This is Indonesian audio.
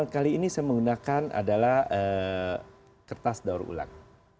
kali ini saya menggunakan adalah kertas daur ulang